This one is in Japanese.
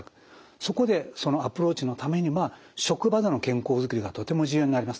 そこでそのアプローチのためにまあ職場での健康づくりがとても重要になります。